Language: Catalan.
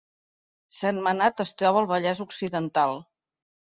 Sentmenat es troba al Vallès Occidental